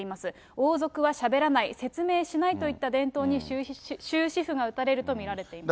王族はしゃべらない、説明しないという伝統に終止符が打たれると見られています。